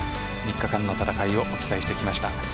３日間の戦いをお伝えしてまいりました。